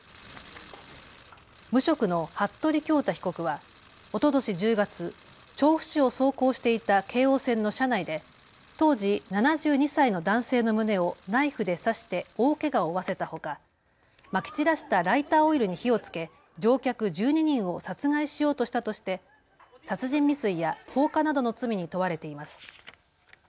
無職の服部恭太被告はおととし１０月、調布市を走行していた京王線の車内で当時７２歳の男性の胸をナイフで刺して大けがを負わせたほかまき散らしたライターオイルに火をつけ乗客１２人を殺害しようとしたとして殺人未遂や放火などの罪に問われています。